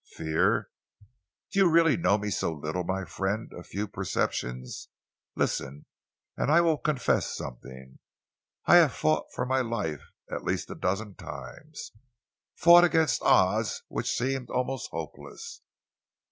"Fear! Do you really know me so little, my friend of few perceptions? Listen and I will confess something. I have fought for my life at least a dozen times, fought against odds which seemed almost hopeless.